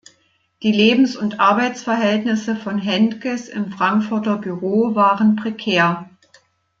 Die Lebens- und Arbeitsverhältnisse von Hentges im Frankfurter Büro waren prekär.